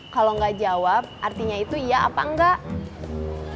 kalau nggak jawab artinya itu iya apa enggak